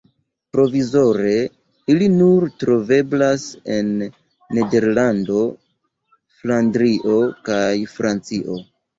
Provizore ili nur troveblas en Nederlando, Flandrio kaj Francio.